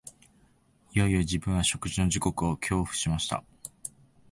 いよいよ自分は食事の時刻を恐怖しました